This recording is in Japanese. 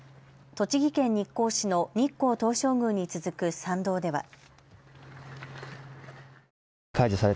栃木県日光市の日光東照宮に続く参道では。